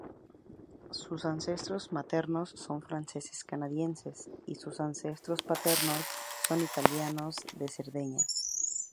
Sus ancestros maternos son franceses-canadienses y sus ancestros paternos son italianos de Cerdeña.